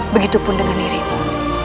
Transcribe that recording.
begitupun dengan diriku